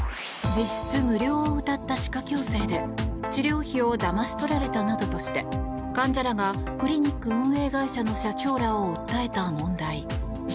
実質無料をうたった歯科矯正で治療費をだまし取られたなどとして患者らが、クリニック運営会社の社長らを訴えた問題。